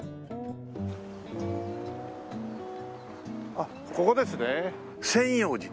あっここですね千葉寺。